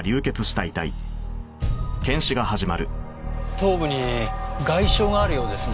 頭部に外傷があるようですね。